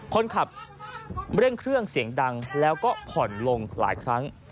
คนขับเร่งเครื่องเสียงดังแล้วก็ผ่อนลงหลายครั้ง